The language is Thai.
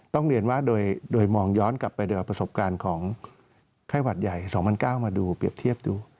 ต้องเรียนว่าโดยมองย้อนกลับไปโดยเอาประสบการณ์ของไข้หวัดใหญ่๒๐๐๙มาดูเปรียบเทียบดู